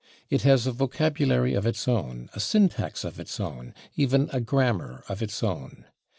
It has a vocabulary of its own, a syntax of its own, even a grammar of its own.